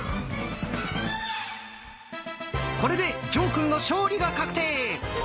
これで呈くんの勝利が確定。